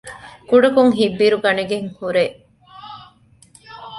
ކުޑަކޮށް ހިތްބިރުގަނެގެން ހުރޭ